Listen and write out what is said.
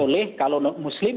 oleh kalau muslim